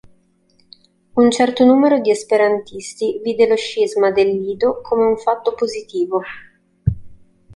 Un certo numero di esperantisti vide lo scisma dell'ido come un fatto positivo.